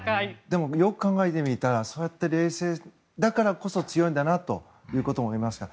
でも、よく考えてみたらそうやって冷静だからこそ強いんだなと思いました。